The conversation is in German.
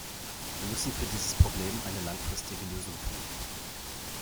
Wir müssen für dieses Problem eine langfristige Lösung finden.